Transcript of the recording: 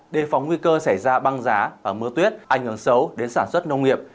đề phóng nguy cơ xảy ra băng giá và mưa tuyết ảnh hưởng xấu đến sản xuất nông nghiệp